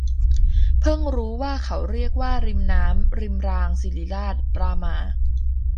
เพิ่งรู้ว่าเขาเรียกว่า ริมน้ำ - ริมราง ศิริราช - รามา